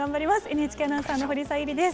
ＮＨＫアナウンサーの保里小百合です。